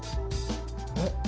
えっ？